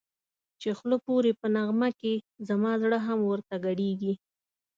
چی خوله پوری په نغمه کی زما زړه هم ورته گډېږی